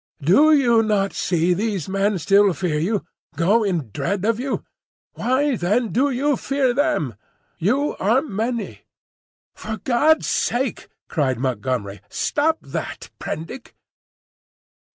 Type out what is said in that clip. Do you not see these men still fear you, go in dread of you? Why, then, do you fear them? You are many—" "For God's sake," cried Montgomery, "stop that, Prendick!"